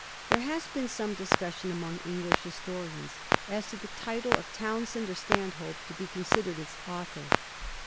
There has been some discussion among English historians as to the title of Townshend or of Stanhope to be considered its author.